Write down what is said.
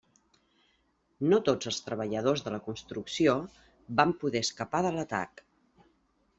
No tots els treballadors de la construcció van poder escapar de l'atac.